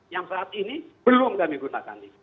yang saat ini belum kami gunakan